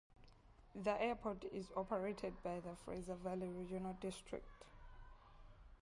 The airport is operated by the Fraser Valley Regional District.